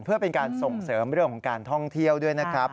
เพื่อเป็นการส่งเสริมเรื่องของการท่องเที่ยวด้วยนะครับ